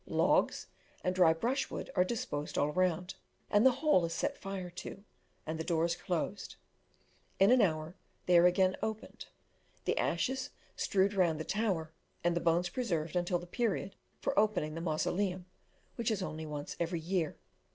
Logs and dry brushwood are disposed all round, and the whole is set fire to, and the doors closed. In an hour they are again opened, the ashes strewed around the tower, and the bones preserved until the period for opening the mausoleum, which is only once every year.